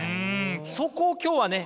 そこを今日はね